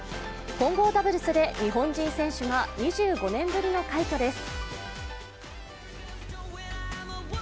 混合ダブルスで日本人選手が２５年ぶりの快挙です。